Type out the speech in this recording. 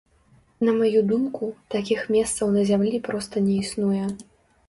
На маю думку, такіх месцаў на зямлі проста не існуе.